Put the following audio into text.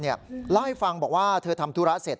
เล่าให้ฟังบอกว่าเธอทำธุระเสร็จ